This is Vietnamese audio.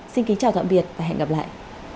xin kính chào tạm biệt và hẹn gặp lại